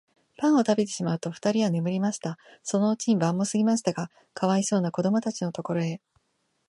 パンをたべてしまうと、ふたりは眠りました。そのうちに晩もすぎましたが、かわいそうなこどもたちのところへ、